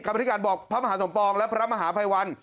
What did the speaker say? กรรมธิการบอกพระมหาสมปองและพระมหาภัยวัน